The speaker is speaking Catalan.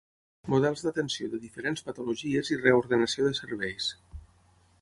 Models d'atenció de diferents patologies i reordenació de serveis.